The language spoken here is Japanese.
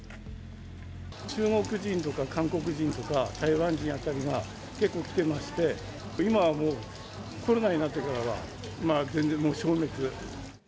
中国人とか韓国人とか、台湾人あたりは結構来てまして、今はもう、コロナになってからは全然もう消滅。